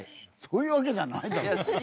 そういうわけじゃないだろ。